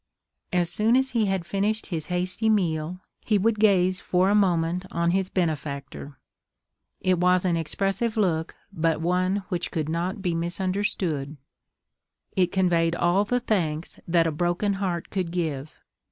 As soon as he had finished his hasty meal, he would gaze for a moment on his benefactor. It was an expressive look, but one which could not be misunderstood. It conveyed all the thanks that a broken heart could give.